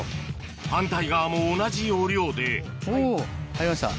反対側も同じ要領で入りました